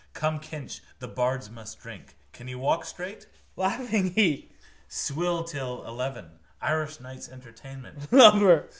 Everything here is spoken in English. Come, Kinch, the bards must drink. Can you walk straight? Laughing, he... Swill till eleven. Irish nights entertainment.